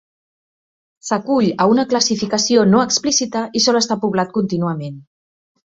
S'acull a una classificació no explícita i sol estar poblat contínuament.